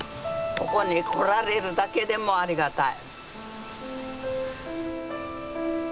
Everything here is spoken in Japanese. ここに来られるだけでもありがたい。